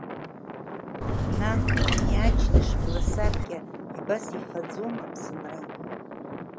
Нан, ани аџьныш бла-саркьа, Абас ифаӡома Аԥсынра?